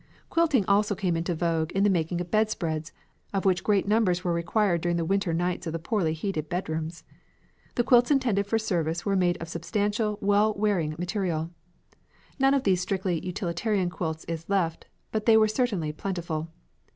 Quilting also came into vogue in the making of bedspreads, of which great numbers were required during the winter nights in the poorly heated bedrooms. The quilts intended for service were made of substantial, well wearing material. None of these strictly utilitarian quilts is left, but they were certainly plentiful.